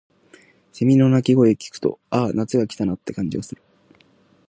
蝉の鳴き声を聞くと、「ああ、夏が来たな」って感じがする。